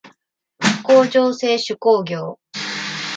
工場制手工業